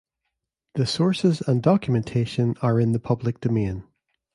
The sources and documentation are in the public domain.